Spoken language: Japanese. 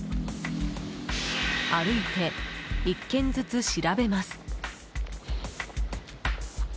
歩いて１軒ずつ調べます。